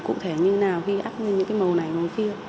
cụ thể như thế nào khi áp lên những cái màu này màu kia